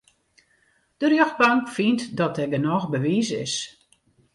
De rjochtbank fynt dat der genôch bewiis is.